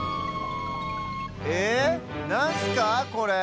えっなんスかこれ？